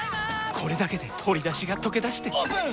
これだけで鶏だしがとけだしてオープン！